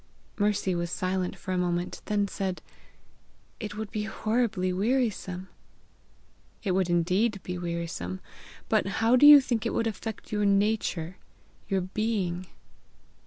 Mercy was silent for a moment, then said, "It would be horribly wearisome." "It would indeed be wearisome! But how do you think it would affect your nature, your being?"